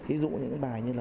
thí dụ những bài như là